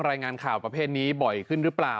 รายงานข่าวประเภทนี้บ่อยขึ้นหรือเปล่า